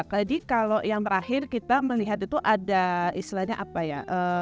jadi kalau yang terakhir kita melihat itu ada istilahnya apa ya